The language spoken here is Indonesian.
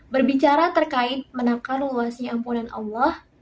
berbicara terkait menangkar luasnya ampunan allah